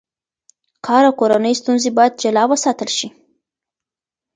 کار او کورنۍ ستونزې باید جلا وساتل شي.